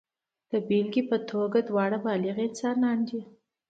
د بېلګې په توګه دواړه بالغ انسانان دي.